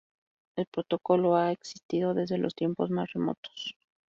El protocolo ha existido desde los tiempos más remotos.